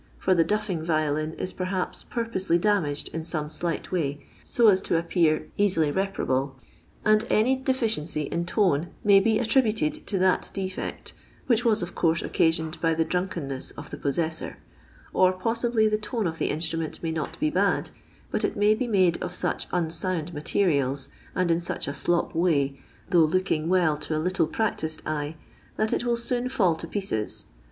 for the duffing violin is perhaps purposely damaged in loma dight way, so as to appear easily reparable. Ho. XXVIIL 20 LONDON LABOUR AND THE LONDON POOR, and anj deficiency in tone may be attributed to that defocty which wai of coone occaiioned by the dninkenneti of the poieeitor. Or poatibly the tone of the in«tniment may not bo bad, bat it may be made of inch unsound materials, and in such a slop war, though looking well to a little practised eye, that it will soon fieUl to pieces.